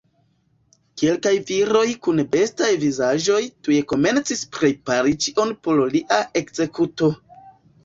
Kelkaj viroj kun bestaj vizaĝoj tuj komencis prepari ĉion por lia ekzekuto.